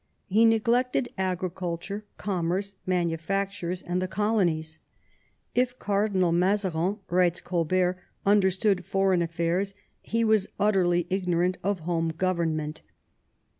He neglected agriculture, com merce, manufactures, and the colonies. "If Cardinal Mazarin," writes Colbert, "understood foreign affairs, he was utterly ignorant of home government."